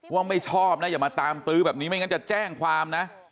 ไม่ชอบนะอย่ามาตามตื้อแบบนี้ไม่งั้นจะแจ้งความนะ